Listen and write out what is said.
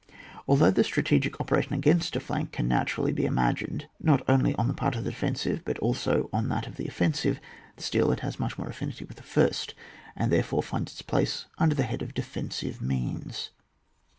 Although the strategic operation against a flank can naturally be imagined, not only on the part of the defensive, but also on that of the offensive, still it has much more affinity with the first, and therefore finds its place under the head of defensive means.